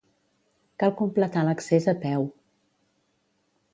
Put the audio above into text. Cal completar l'accés a peu.